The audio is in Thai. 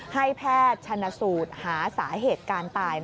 ให้แพทย์ชนสูตรหาสาเหตุการตาย